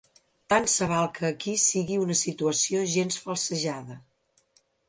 Tant se val que aquí sigui una situació gens falsejada.